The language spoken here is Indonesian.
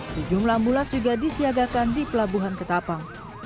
sejumlah ambulans juga disiagakan di pelabuhan ke tapang